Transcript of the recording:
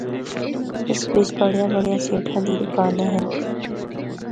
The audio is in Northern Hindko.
اس بچ بڑیاں بڑیاں سیٹھاں دی دوکاناں ہن۔